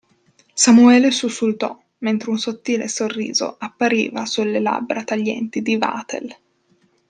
Samuele sussultò, mentre un sottile sorriso appariva sulle labbra taglienti di Vatel.